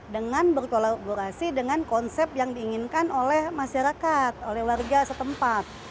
dengan berkolaborasi dengan konsep yang diinginkan oleh masyarakat oleh warga setempat